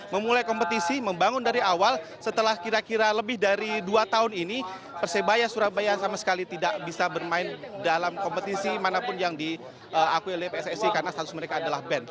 memulai kompetisi membangun dari awal setelah kira kira lebih dari dua tahun ini persebaya surabaya sama sekali tidak bisa bermain dalam kompetisi manapun yang diakui oleh pssi karena status mereka adalah band